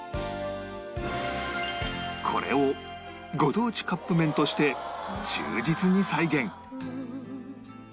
これをご当地カップ麺として忠実に再現